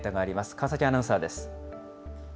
川崎アナウンサーです。